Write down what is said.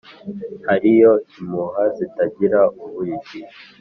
Hariyo impuha zitagira ubugi